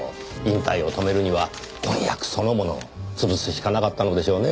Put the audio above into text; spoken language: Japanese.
引退を止めるには婚約そのものを潰すしかなかったのでしょうねぇ。